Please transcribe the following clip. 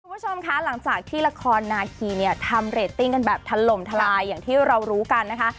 คุณผู้ชมคะหลังจากที่ละครนาคีเนี่ยทำเรตติ้งกันแบบถล่มทลายอย่างที่เรารู้กันนะคะ